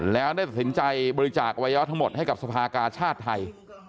แล้วได้ตัดสินใจบริจาคอวัยวะทั้งหมดให้กับสภากาชาติไทย